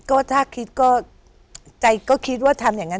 ก็ถ้าคิดก็ใจก็คิดว่าทำอย่างนั้น